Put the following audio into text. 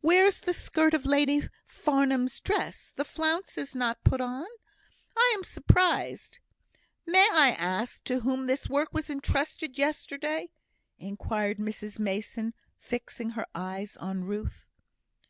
"Where is the skirt of Lady Farnham's dress? The flounces not put on! I am surprised. May I ask to whom this work was entrusted yesterday?" inquired Mrs Mason, fixing her eyes on Ruth.